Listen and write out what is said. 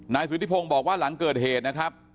นายสุธิพงศ์บอกว่าหลังเกิดเหตุนะครับ